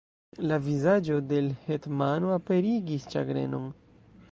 La vizaĝo de l' hetmano aperigis ĉagrenon.